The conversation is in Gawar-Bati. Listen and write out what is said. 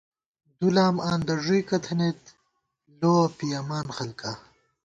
دُولام آندہ ݫُوئیکہ تھنَئیت ، لووَہ پِیَمان خلکا